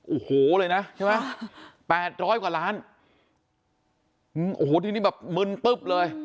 โอ้โหเลยนะใช่ไหมแปดร้อยกว่าล้านโอ้โหทีนี้แบบมึนตึ๊บเลย